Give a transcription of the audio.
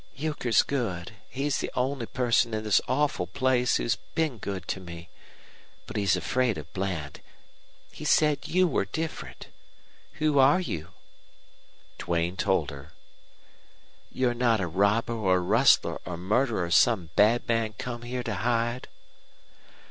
"Euchre's good. He's the only person in this awful place who's been good to me. But he's afraid of Bland. He said you were different. Who are you?" Duane told her. "You're not a robber or rustler or murderer or some bad man come here to hide?"